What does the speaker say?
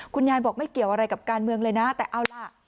คุณยายบอกไม่เกี่ยวอะไรกับการเมืองเลยนะแต่เอาล่ะ